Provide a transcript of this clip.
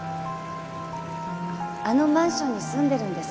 あのマンションに住んでるんです。